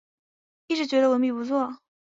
一直觉得文笔不错